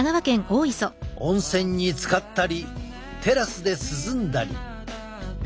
温泉につかったりテラスで涼んだり。